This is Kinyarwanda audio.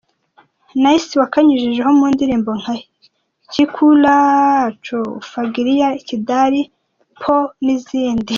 Nice wakanyujijeho mu ndirimbo nka “Kikulacho,” “Fagilia,” “Kidali Po” n’izindi.